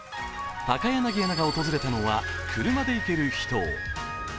高柳アナが訪れたのは車で行ける秘湯。